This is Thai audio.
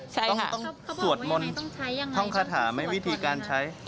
ใช่ค่ะเขาบอกว่ายังไงต้องใช้ยังไงต้องคาถาไหมวิธีการใช้